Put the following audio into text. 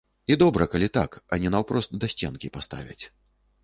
І добра калі так, а не наўпрост да сценкі паставяць.